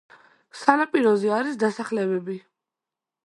სანაპიროზე არის დასახლებები.